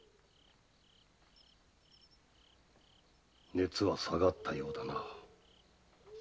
熱は下がったようだな。